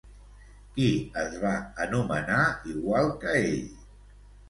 Qui es va anomenar igual que ell?